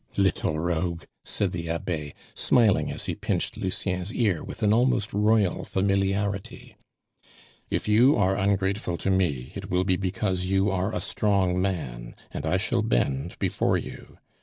"Little rogue," said the Abbe, smiling as he pinched Lucien's ear with an almost royal familiarity. "If you are ungrateful to me, it will be because you are a strong man, and I shall bend before you.